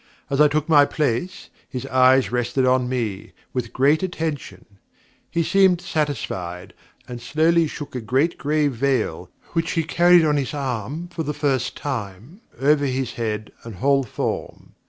As I took my place, his eyes rested on me, with great attention; he seemed satisfied, and slowly shook a great grey veil, which he carried on his arm for the first time, over his head and whole form.